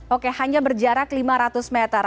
oke hanya berjarak lima ratus meter